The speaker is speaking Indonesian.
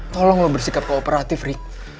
tolong lo bersikap kooperatif rik